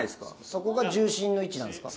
そこが重心の位置なんですか？